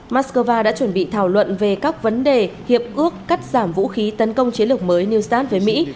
moscow đã chuẩn bị thảo luận về các vấn đề hiệp ước cắt giảm vũ khí tấn công chiến lược mới new zealth với mỹ